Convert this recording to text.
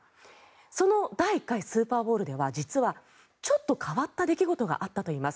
その第１回スーパーボウルでは実はちょっと変わった出来事があったといいます。